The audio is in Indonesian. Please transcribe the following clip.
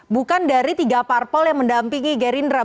bukan dari tiga parpol yang mendampingi gerindra